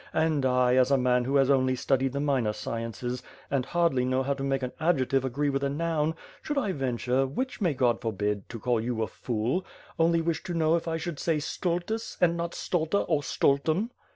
And I, as a man who has only studied the minor sciences and hardly know how to make an adjective agree with a noun, should I venture, which may God forbid, to call you a fool, only wish to know if I should say stultus and not stulta or stultum."